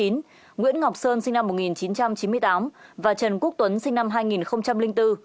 nguyễn ngọc sơn sinh năm một nghìn chín trăm chín mươi tám và trần quốc tuấn sinh năm hai nghìn bốn